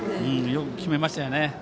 よく決めました。